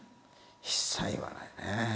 一切言わないね。